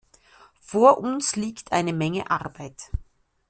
Vor uns liegt eine Menge Arbeit.